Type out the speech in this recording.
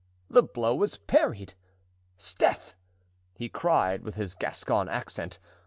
The blow was parried. "'Sdeath!" he cried, with his Gascon accent.